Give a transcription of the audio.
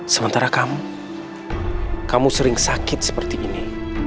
sementara kamu kamu sering sakit seperti ini